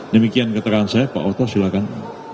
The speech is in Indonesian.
demikian keterangan saya pak oto silahkan